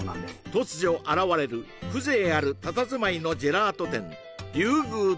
突如現れる風情あるたたずまいのジェラート店